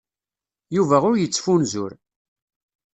Yuba ur yettfunzur.